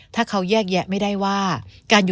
ถ้าเขาแยกแยะไม่ได้ว่า